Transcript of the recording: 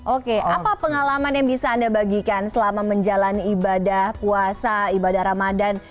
oke apa pengalaman yang bisa anda bagikan selama menjalani ibadah puasa ibadah ramadan